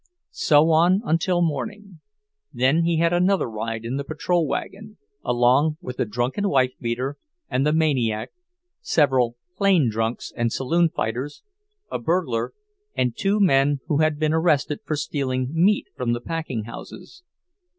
—So on until morning. Then he had another ride in the patrol wagon, along with the drunken wife beater and the maniac, several "plain drunks" and "saloon fighters," a burglar, and two men who had been arrested for stealing meat from the packing houses.